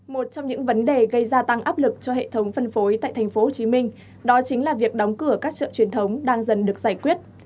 một trong những vấn đề gây gia tăng áp lực cho hệ thống phân phối tại tp hcm đó chính là việc đóng cửa các chợ truyền thống đang dần được giải quyết